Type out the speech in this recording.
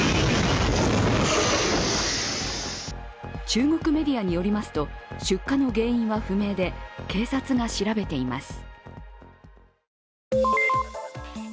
中国メディアによりますと出火の原因は不明で警察が調べています。